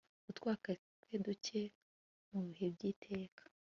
utwaka twe duke mu bihe by'iteka